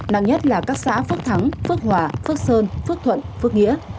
năng nhất là các xã phước thắng phước hòa phước sơn phước thuận phước nghĩa